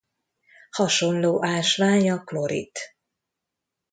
Hasonló ásvány a klorit.